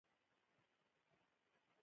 هېواد زموږ ټولنیز هویت دی